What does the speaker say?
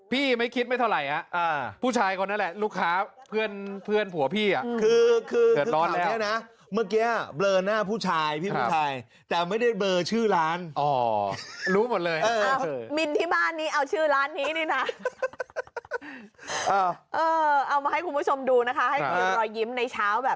พี่ไม่คิดไม่เท่าไร